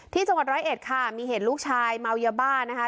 ที่จังหวัดร้อยเอ็ดค่ะมีเหตุลูกชายเมายาบ้านะคะ